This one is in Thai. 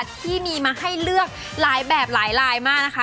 ที่มีมาให้เลือกหลายแบบหลายลายมากนะคะ